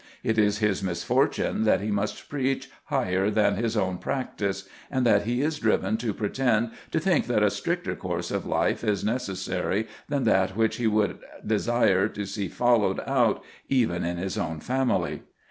It is his misfortune that he must preach higher than his own practice, and that he is driven to pretend to think that a stricter course of life is necessary than that which he would desire to see followed out even in his own family.